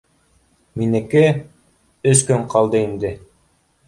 Минеке? Өс көн ҡалды инде